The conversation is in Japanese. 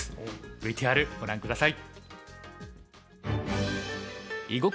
ＶＴＲご覧下さい。